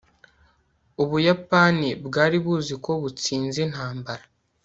ubuyapani bwari buzi ko butsinze intambara